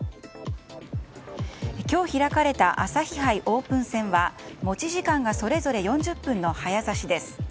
今日開かれた朝日杯オープン戦は持ち時間がそれぞれ４０分の早指しです。